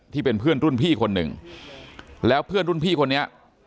ที่เป็นเพื่อนรุ่นพี่คนหนึ่งแล้วเพื่อนรุ่นพี่คนนี้